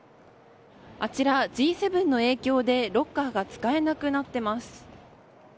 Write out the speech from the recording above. あちら、Ｇ７の影響でロッカーが使えなくなってます。